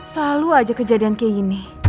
selalu aja kejadian kayak gini